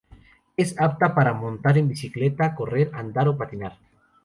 Es apta para montar en bicicleta, correr, andar o patinar.